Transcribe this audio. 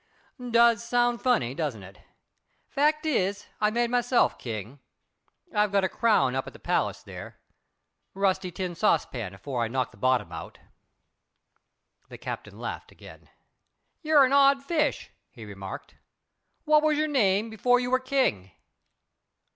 "Does sound funny, don't it. Fact is I made myself King. I've got a crown up at the palace there. Rusty tin saucepan afore I knocked the bottom out." The Captain laughed again. "You're an odd fish," he remarked. "What was your name before you were King?"